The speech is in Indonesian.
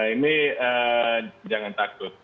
ini jangan takut